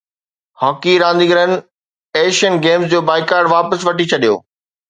hockey رانديگرن Asian games جو boycott واپس وٺي ڇڏيو